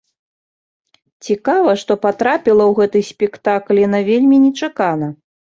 Цікава, што патрапіла ў гэты спектакль яна вельмі нечакана.